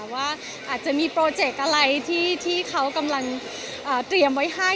ว่าอาจจะมีโปรเจกต์อะไรที่เขากำลังเตรียมไว้ให้